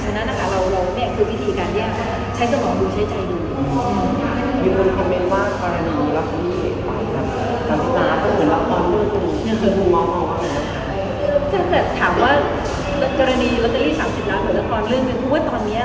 จะแสดงถามว่ากรณีโรเตอรี่๓๐ล้านเหลือละครเรื่องมีทุกคุณว่าตอนนี้